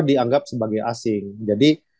dianggap sebagai asing jadi